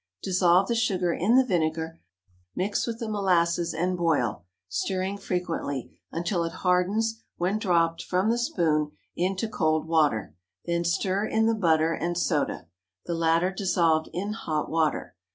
Dissolve the sugar in the vinegar, mix with the molasses, and boil, stirring frequently, until it hardens when dropped from the spoon into cold water; then stir in the butter and soda, the latter dissolved in hot water.